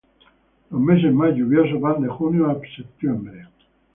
Los meses más lluviosos van de junio a septiembre.